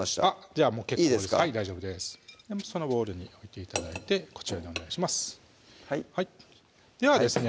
じゃあもう結構ですそのボウルに置いて頂いてこちらにお願いしますではですね